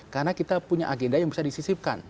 karena kita punya agenda yang bisa disisipkan